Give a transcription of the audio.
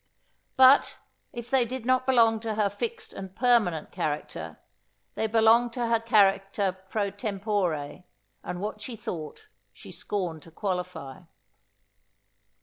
But, if they did not belong to her fixed and permanent character, they belonged to her character pro tempore; and what she thought, she scorned to qualify.